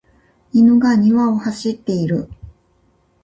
犬が庭を走っている。